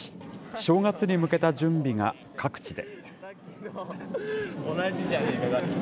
正月に向けた準備が各地で。